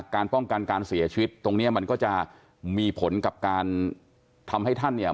การป้องกันการเสียชีวิตตรงเนี้ยมันก็จะมีผลกับการทำให้ท่านเนี่ย